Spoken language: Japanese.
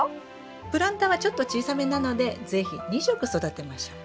プランターがちょっと小さめなので是非２色育てましょう。